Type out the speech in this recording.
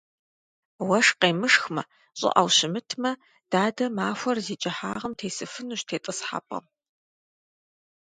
Уэшх къемышхмэ, щӀыӀэу щымытмэ, дадэ махуэр зи кӀыхьагъым тесыфынущ тетӏысхьэпӏэм.